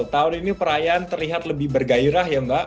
tahun ini perayaan terlihat lebih bergairah ya mbak